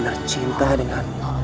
dan juga tepuk tangan